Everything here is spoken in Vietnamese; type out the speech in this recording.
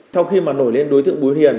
sau khi mà nổi lên đối tượng bùi hiền